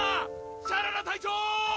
シャララ隊長！